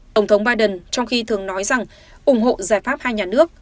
tổng thống biden trong khi thường nói rằng ủng hộ giải pháp hai nhà nước